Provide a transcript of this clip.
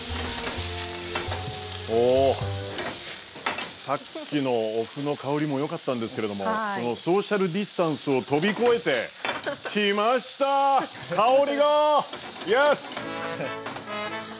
おさっきのお麩の香りもよかったんですけれどもこのソーシャルディスタンスを飛び越えて来ました香りがイエス！